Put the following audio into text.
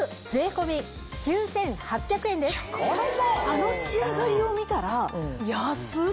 あの仕上がりを見たら安っ！